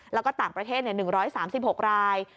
แล้วก็ต่างประเทศ๑๓๖ราย